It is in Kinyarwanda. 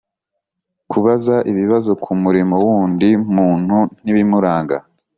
kubaza ibibazo ku murimo w‘undi muntu n‘ibimuranga.